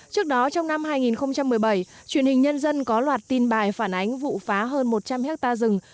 trước đó trong năm hai nghìn một mươi bảy truyền hình nhân dân có loạt tin bài phản ánh vụ phá hơn một trăm linh hectare rừng